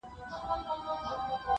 خو ذهنونه نه ارامېږي هېڅکله-